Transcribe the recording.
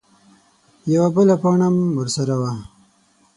_يوه بله پاڼه ام ورسره وه.